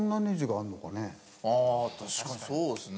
ああ確かにそうですね。